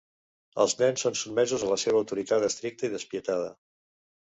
Els nens són sotmesos a la seva autoritat estricta i despietada.